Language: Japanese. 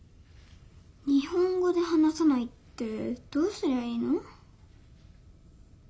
日本語で話さないってどうすりゃいいの？